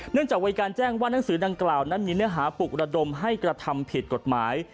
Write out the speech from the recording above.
จากมีการแจ้งว่านังสือดังกล่าวนั้นมีเนื้อหาปลุกระดมให้กระทำผิดกฎหมาย